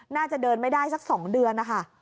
น่าจะเดินไม่ได้สัก๒เดือนนะคะ